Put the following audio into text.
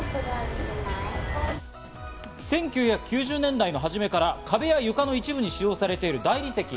１９９０年代の初めから壁や床の一部に使用されている大理石。